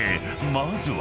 まずは］